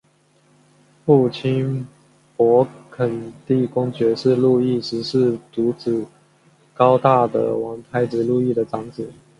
父亲勃艮地公爵是路易十四独子高大的王太子路易的长子。